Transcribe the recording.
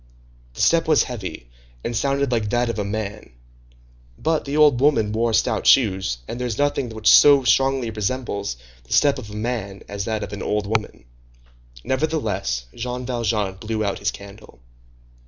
The step was heavy, and sounded like that of a man; but the old woman wore stout shoes, and there is nothing which so strongly resembles the step of a man as that of an old woman. Nevertheless, Jean Valjean blew out his candle.